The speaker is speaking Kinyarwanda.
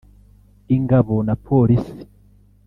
ingabo na Polisi